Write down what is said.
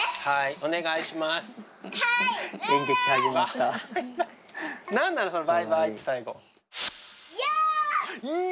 はい！